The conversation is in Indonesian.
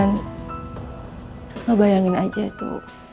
ngebayangin aja itu